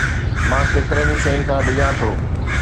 مان ڪيترن ئي شين کان ڊڄان ٿو